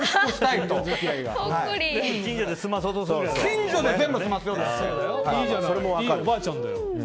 いいおばあちゃんだよ。